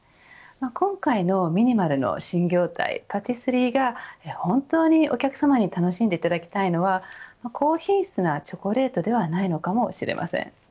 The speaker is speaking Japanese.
今回のＭｉｎｉｍａｌの新業態パティスリーが、本当にお客様に楽しんでいただきたいのは高品質なチョコレートではないのかもしれません。